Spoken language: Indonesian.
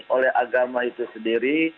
oleh agama itu sendiri